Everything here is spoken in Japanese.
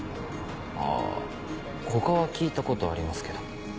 あぁ他は聞いたことありますけど。